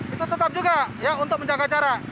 itu tetap juga untuk menjaga jarak